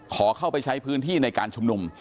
ขอเข้าไปใช้พื้นที่ในการชุมนุม